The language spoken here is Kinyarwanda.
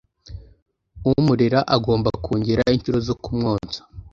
umurera agomba kongera incuro zo kumwonsa